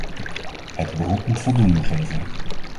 Het beroep moet voldoening geven.